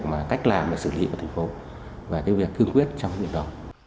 trong việc cách làm và xử lý của thành phố và việc thương quyết trong việc đó